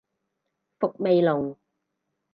伏味濃